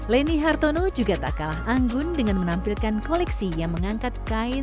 leni hartono juga tak kalah anggun dengan menampilkan koleksi yang mengangkat kain